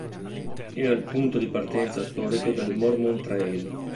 Era il punto di partenza storico del Mormon Trail.